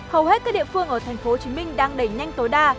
hầu hết các địa phương ở tp hcm đang đẩy nhanh tối đa